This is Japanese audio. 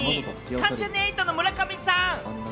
関ジャニ∞の村上さん！